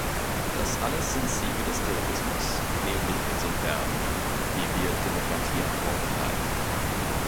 Das alles sind Siege des Terrorismus, nämlich insofern, wie wir Demokratieabbau betreiben.